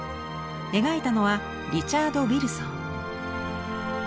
描いたのはリチャード・ウィルソン。